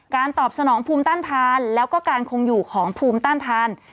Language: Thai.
ตอบสนองภูมิต้านทานแล้วก็การคงอยู่ของภูมิต้านทาน